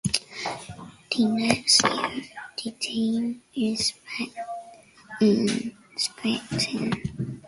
The next year, the team was back in Saskatoon.